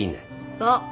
そう。